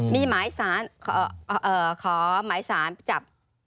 มีหมายสารขอหมายสารจับ